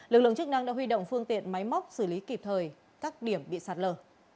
lực lượng chức năng đã huy động phương tiện máy móc xử lý kịp thời các điểm bị sạt lở